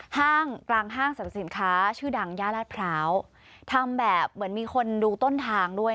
ห้างกลางห้างสรรพสินค้าชื่อดังญาลัดพร้าว